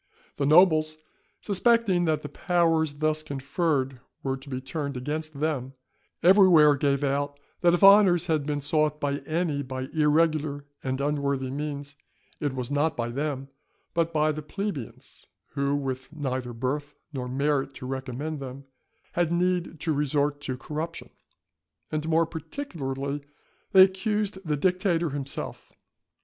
The nobles suspecting that the powers thus conferred were to be turned against them, everywhere gave out that if honours had been sought by any by irregular and unworthy means, it was not by them, but by the plebeians, who, with neither birth nor merit to recommend them, had need to resort to corruption. And more particularly they accused the dictator himself.